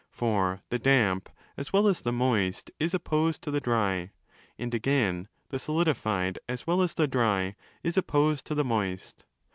For 'the damp', as well as the moist, is opposed to the dry: and again ' the solidified', as well as the dry, is opposed to the moist.